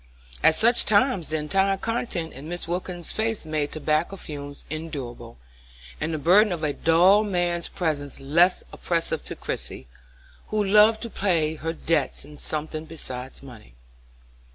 At such times the entire content in Mrs. Wilkins's face made tobacco fumes endurable, and the burden of a dull man's presence less oppressive to Christie, who loved to pay her debts in something besides money.